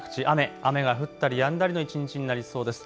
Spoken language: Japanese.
雨が降ったりやんだりの一日になりそうです。